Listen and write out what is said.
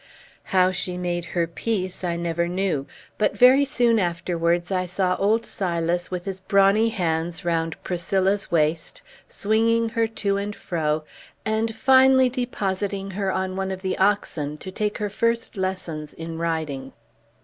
How she made her peace I never knew; but very soon afterwards I saw old Silas, with his brawny hands round Priscilla's waist, swinging her to and fro, and finally depositing her on one of the oxen, to take her first lessons in riding.